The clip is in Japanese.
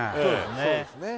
そうですね